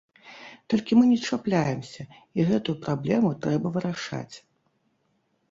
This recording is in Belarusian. Толькі мы не чапляемся, і гэтую праблему трэба вырашаць.